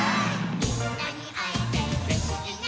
「みんなにあえてうれしいな」